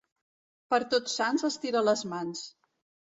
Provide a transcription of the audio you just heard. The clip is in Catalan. Per Tots Sants, estira les mans.